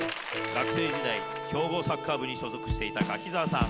学生時代、強豪サッカー部に所属していた柿澤さん。